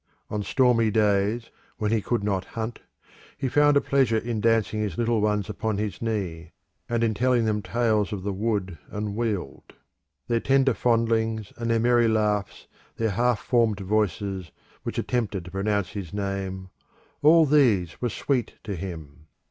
On stormy days, when he could not hunt, he found a pleasure in dancing his little ones upon his knee, and in telling them tales of the wood and weald. Their tender fondlings, and their merry laughs, their half formed voices, which attempted to pronounce his name all these were sweet to him.